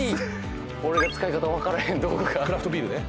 俺が使い方わからへん道具がクラフトビールね